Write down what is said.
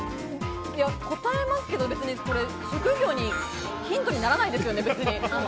答えますけれど、ヒントにならないですよね。